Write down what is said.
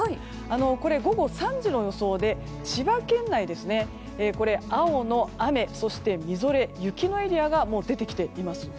これは午後３時の予想で千葉県内、青の雨そしてみぞれ、雪のエリアが出てきています。